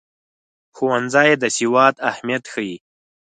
ښوونځی د سواد اهمیت ښيي.